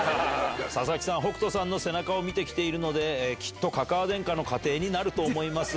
佐々木さん、北斗さんの背中を見てきているので、きっと、かかあ天下の家庭になると思います。